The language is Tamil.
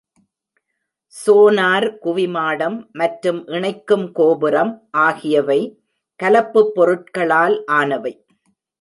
சோனார் குவிமாடம் மற்றும் இணைக்கும் கோபுரம் ஆகியவை கலப்புப் பொருட்களால் ஆனவை.